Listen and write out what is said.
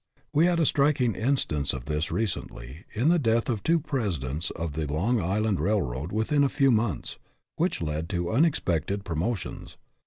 We had a striking instance of this, recently, in the death of two presidents of the Long Island Railroad within a few months, which led to unexpected promotions.